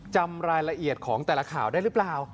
จำรายละเอียดของแต่ละข่าวได้หรือเปล่า